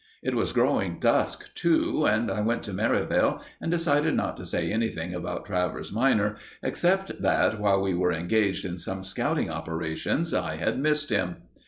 It was growing dusk, too, and I went back to Merivale, and decided not to say anything about Travers minor, except that, while we were engaged in some scouting operations, I had missed him.